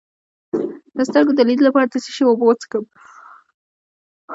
د سترګو د لید لپاره د څه شي اوبه وڅښم؟